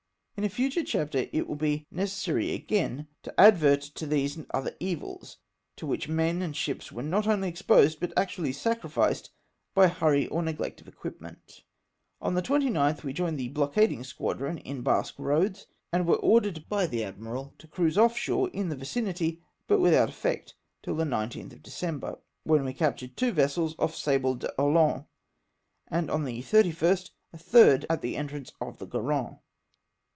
In a future chapter it w^ill be necessary again to advert to these and other evils to which men and ships were not only exposed, but actually sacrificed, by hurry or neglect of equipment. On the 29th we joined the blockading squadron in Basque Eoads, and w^ere ordered by the admiral to cruise off shore in the vicinity, but ^\dthout effect, till the 19th of December, when we captured two vessels off Sable d'Olonne, and on the 31st a third at the entrance of the Garonne.